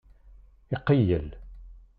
Iqeyyel.